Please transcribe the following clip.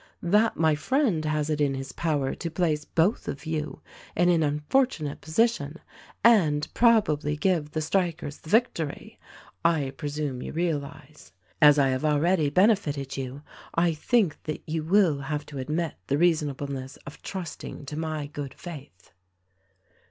That my friend has it in his power to place both of you in an unfortunate posi tion and probably give the strikers the victory, I presume you realize. As I have already benefited you, I think that you will have to admit the reasonableness of trusting to my good faith."